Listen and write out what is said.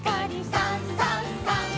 「さんさんさん」